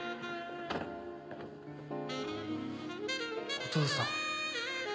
お父さん。